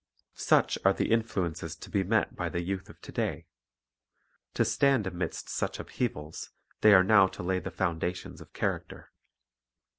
Such are the influences to be met by the youth of to day. To stand amidst such upheavals they are now to lay the foundations of character.